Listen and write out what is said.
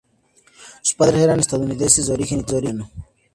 Sus padres eran estadounidenses de origen italiano.